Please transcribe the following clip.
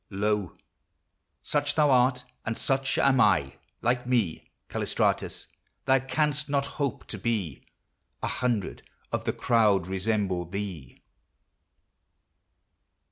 Lo ! Such thou art, and such am I : like me, Callistratus ! thou canst not hope to be ; A hundred of the crowd resemble thee